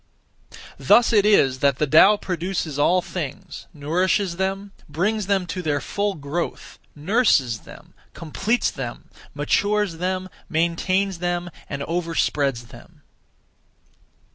Thus it is that the Tao produces (all things), nourishes them, brings them to their full growth, nurses them, completes them, matures them, maintains them, and overspreads them.